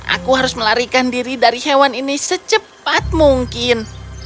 aku harus melarikan diri dari hewan ini secepat mungkin